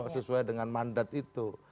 sesuai dengan mandat itu